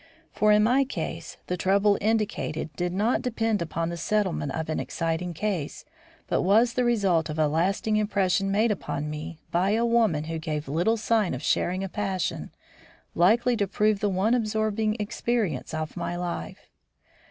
For, in my case, the trouble indicated did not depend upon the settlement of an exciting case, but was the result of a lasting impression made upon me by a woman who gave little sign of sharing a passion likely to prove the one absorbing experience of my life.